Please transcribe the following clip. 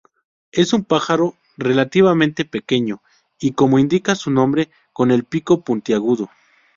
Es un pájaro relativamente pequeño, y como indica su nombre con el pico puntiagudo.